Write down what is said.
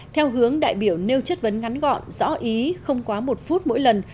theo hướng đại biểu nêu chất vấn ngắn gọn rõ ý không quá một phút mỗi lần